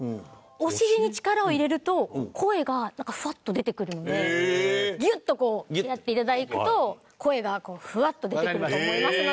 お尻に力を入れると声がフワッと出てくるんでギュッとこうやって頂くと声がフワッと出てくると思いますので。